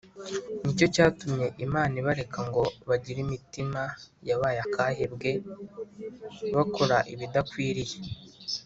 ni cyo cyatumye Imana ibareka ngo bagire imitima yabaye akahebwe bakora ibidakwiriye